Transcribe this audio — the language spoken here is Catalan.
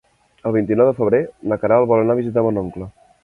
El vint-i-nou de febrer na Queralt vol anar a visitar mon oncle.